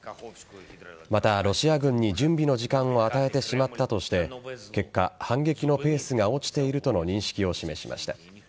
また、ロシア軍に準備の時間を与えてしまったとして結果、反撃のペースが落ちているとの認識を示しました。